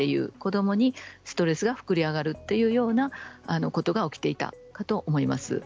子どものストレスが膨れ上がるということが起きていたかと思います。